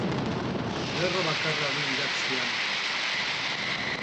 Lerro bakarra du idatzian.